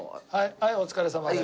はいお疲れさまです。